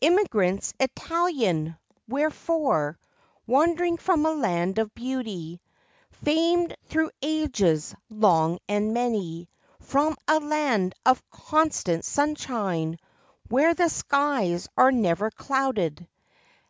Immigrants Italian! Wherefore Wandering from a land of beauty Famed through ages, long and many; From a land of constant sunshine, Where the skies are never clouded 20 FACTS AND FANCIES.